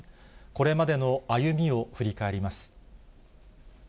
これまでの歩みを振り返ります。